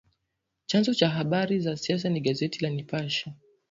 Chanzo cha habari za siasa ni gazeti la Nipashe